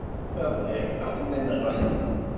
Ma bɣiɣ, ad ken-nɣen.